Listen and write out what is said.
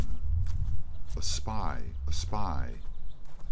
A SPY! A SPY!